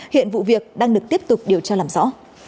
hiện vụ việc đang được tiếp tục điều tra làm rõ